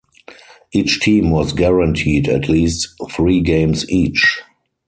Each team was guaranteed at least three games each.